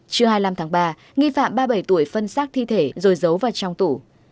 trưa hai mươi năm tháng ba nghi phạm ba mươi bảy tuổi phân xác thi thể rồi giấu vào trong tủ